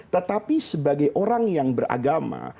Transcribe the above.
tetapi sebagai orang yang beragama